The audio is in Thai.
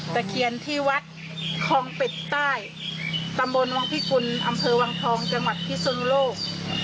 ตะเคียนที่วัดคลองเป็ดใต้ตำบลวังพิกุลอำเภอวังทองจังหวัดพิสุนโลก